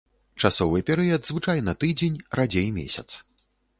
Часовы перыяд звычайна тыдзень, радзей месяц.